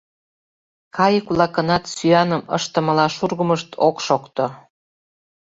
Кайык-влакынат сӱаным ыштымыла шургымышт ок шокто.